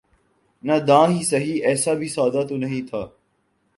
ناداں ہی سہی ایسا بھی سادہ تو نہیں تھا